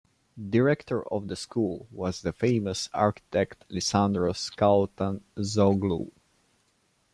Director of the School was the famous architect Lissandros Kautantzoglou.